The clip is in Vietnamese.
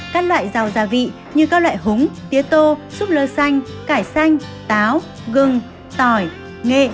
các loại rau gia vị như các loại húng tía tô súp lơ xanh cải xanh táo gừng tỏi nghệ